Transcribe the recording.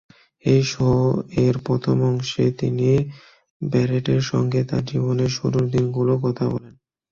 এই শো-এর প্রথম অংশে তিনি ব্যারেটের সঙ্গে তাঁর জীবনের শুরুর দিনগুলোর কথা বলেন।